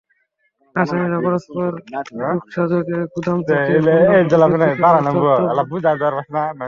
আসামিরা পরস্পর যোগসাজশে গুদাম থেকে পণ্যগুলো বিক্রি করে অর্থ আত্মসাৎ করেন।